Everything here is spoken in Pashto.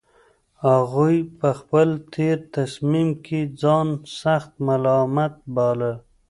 هغوی په خپل تېر تصميم کې ځان سخت ملامت باله